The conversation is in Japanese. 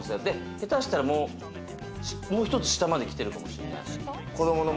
下手したら、もう１つ下まで来てるかもしれない。